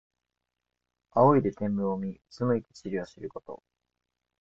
仰いで天文を見、うつむいて地理を知ること。